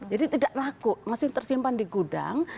jadi tidak laku masih tersimpan di gudang